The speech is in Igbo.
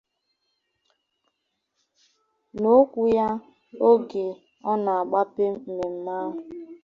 N'okwu ya oge ọ na na-agbape mmemme ahụ